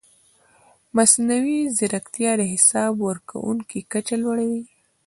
مصنوعي ځیرکتیا د حساب ورکونې کچه لوړوي.